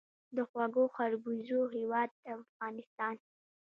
د خوږو خربوزو هیواد افغانستان.